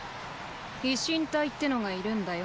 飛信隊ってのがいるんだよ。